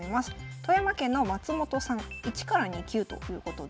富山県の松本さん１２級ということです。